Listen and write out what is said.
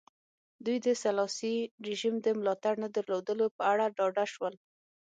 دوی د سلاسي رژیم د ملاتړ نه درلودلو په اړه ډاډه شول.